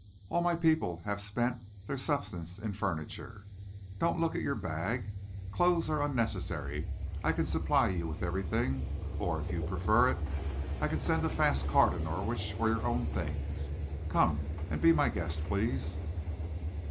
All my people have spent their substance in furniture. Don't look at your bag. Clothes are unnecessary. I can supply you with everything. Or, if you prefer it, I can send a fast car into Norwich for your own things. Come and be my guest, please."